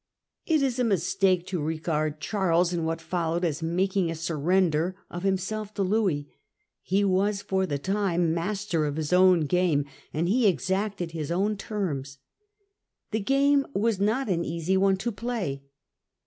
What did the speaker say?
It is a mistake to regard Charles in what followed as making a surrender of himself to Louis. He was for the time master of his own game, and he exacted his own terms. The game was not an easy one to play.